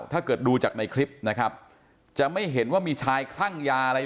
ถ้าเกิดดูจากในคลิปนะครับจะไม่เห็นว่ามีชายคลั่งยาอะไร